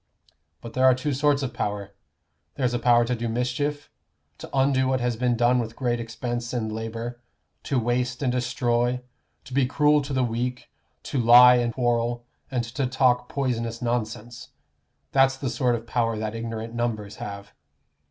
But there are two sorts of power. There's a power to do mischief to undo what has been done with great expense and labor, to waste and destroy, to be cruel to the weak, to lie and quarrel, and to talk poisonous nonsense. That's the sort of power that ignorant numbers have.